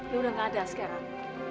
udah gak ada sekarang